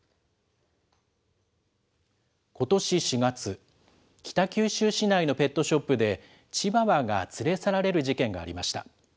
ことし４月、北九州市内のペットショップで、チワワが連れ去られる事件がありました。